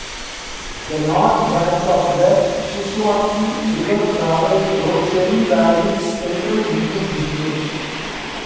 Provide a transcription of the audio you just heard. The north branch of the Kishwaukee River travels through Cherry Valley's central business district.